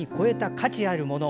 価値あるもの。